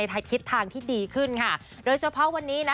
ทิศทางที่ดีขึ้นค่ะโดยเฉพาะวันนี้นะ